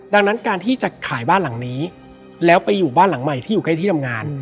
ดังนั้นการที่จะขายบ้านหลังนี้แล้วไปอยู่บ้านหลังใหม่ที่อยู่ใกล้ที่ทำงาน